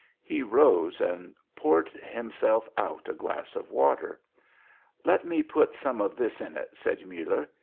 He rose and poured himself out a glass of water. "Let me put some of this in it," said Muller.